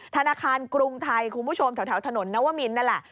ธนาคารกรุงไทยคุณผู้ชมแถวถนนนวมินนั่นแหละ